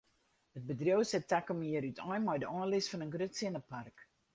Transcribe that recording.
It bedriuw set takom jier útein mei de oanlis fan in grut sinnepark.